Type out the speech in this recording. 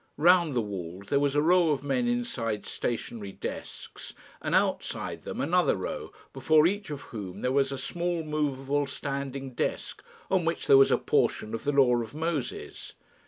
Round the walls there was a row of men inside stationary desks, and outside them another row, before each of whom there was a small movable standing desk, on which there was a portion of the law of Moses.